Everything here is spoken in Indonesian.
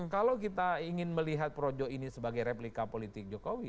kalau kita ingin melihat projo ini sebagai replika politik jokowi